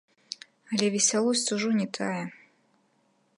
Але весялосць ўжо не тая.